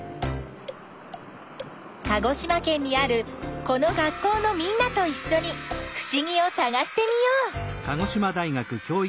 鹿児島県にあるこの学校のみんなといっしょにふしぎをさがしてみよう！